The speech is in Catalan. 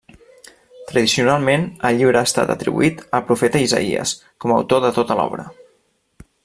Tradicionalment el llibre ha estat atribuït al profeta Isaïes com a autor de tota l'obra.